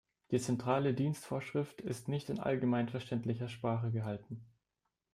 Die Zentrale Dienstvorschrift ist nicht in allgemeinverständlicher Sprache gehalten.